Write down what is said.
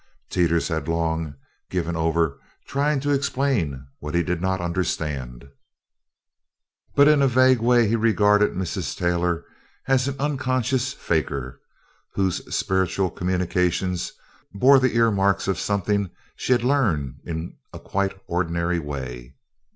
Teeters had long since given over trying to explain what he did not understand, but in a vague way he regarded Mrs. Taylor as an unconscious fakir, whose spiritual communications bore the earmarks of something she had learned in a quite ordinary way.